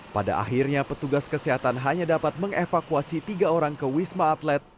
pada akhirnya petugas kesehatan hanya dapat mengevakuasi tiga orang ke wisma atlet